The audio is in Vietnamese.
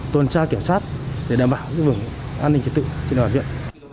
tuần tra kiểm soát để đảm bảo giữ vững an ninh trật tự trên đoàn huyện